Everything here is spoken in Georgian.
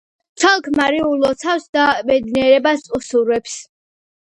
ცოლ-ქმარი ულოცავს და ბედნიერებას უსურვებს.